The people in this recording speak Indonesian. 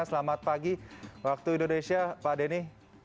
selamat pagi waktu indonesia pak denny